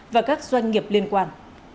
và các doanh nghiệp liên quan